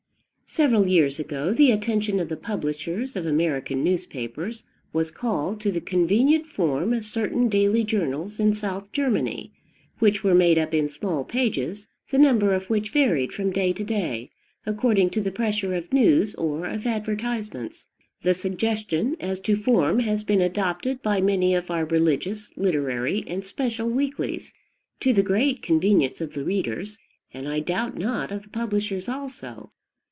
Several years ago, the attention of the publishers of American newspapers was called to the convenient form of certain daily journals in South Germany, which were made up in small pages, the number of which varied from day to day, according to the pressure of news or of advertisements. The suggestion as to form has been adopted bit many of our religious, literary, and special weeklies, to the great convenience of the readers, and I doubt not of the publishers also.